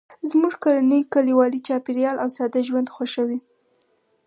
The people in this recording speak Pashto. زموږ کورنۍ کلیوالي چاپیریال او ساده ژوند خوښوي